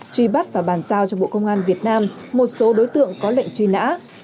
truy bắt và bàn giao cho bộ công an việt nam một số đối tượng có lệnh truy nã